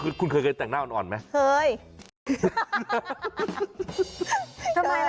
เออคุณเคยไน้แต่งหน้าอ่อนไหม